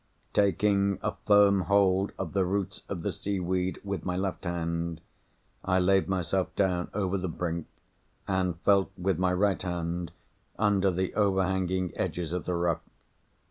Taking a firm hold of the roots of the seaweed with my left hand, I laid myself down over the brink, and felt with my right hand under the overhanging edges of the rock.